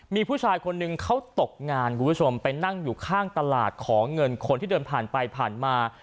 มีผู้ชายคนนึงเขาตกงานคุณผู้ชมไปนั่งอยู่ข้างตลาดขอเงินคนที่เดินผ่านไปผ่านมา